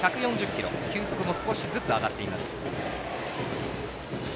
球速も少しずつ上がっています。